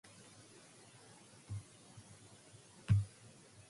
It billed itself as "The Capital Region's Alternative Newsweekly".